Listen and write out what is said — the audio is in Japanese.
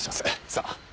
さあ。